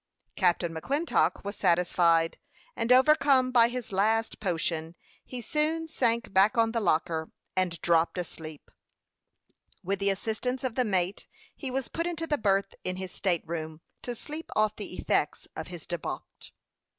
Captain McClintock was satisfied, and overcome by his last potion, he soon sank back on the locker, and dropped asleep. With the assistance of the mate he was put into the berth in his state room, to sleep off the effects of his debauch.